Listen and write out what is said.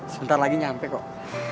sebentar lagi nyampe kok